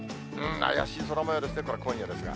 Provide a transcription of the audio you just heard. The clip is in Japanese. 怪しい空もようですね、これ、今夜ですが。